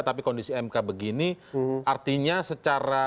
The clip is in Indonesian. tapi kondisi mk begini artinya secara